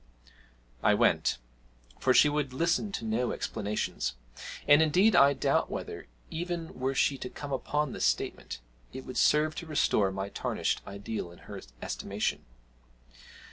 I went for she would listen to no explanations; and indeed I doubt whether, even were she to come upon this statement, it would serve to restore my tarnished ideal in her estimation.